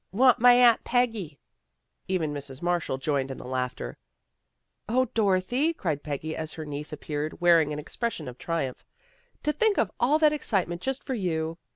" Want my aunt Peggy." Even Mrs. Marshall joined in the laughter. " 0, Dorothy," cried Peggy as her niece ap peared, wearing an expression of triumph. " To think of all that excitement just for you."